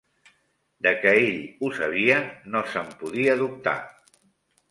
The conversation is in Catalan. De que ell ho sabia, no se'n podia dubtar.